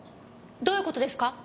どういう事ですか？